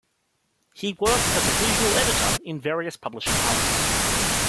He worked as visual editor in various publishing houses.